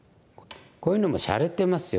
こういうのもしゃれてますよね。